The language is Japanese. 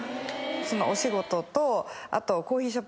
そのお仕事とあと。